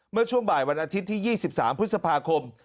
เมื่อช่วงบ่ายวันอาทิตย์ที่๒๓พฤษภาคม